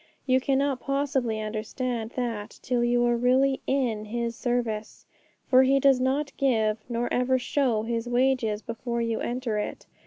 You cannot possibly understand that till you are really in His service! For He does not give, nor even show, His wages before you enter it.